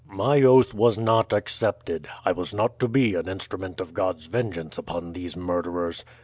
"My oath was not accepted. I was not to be an instrument of God's vengeance upon these murderers.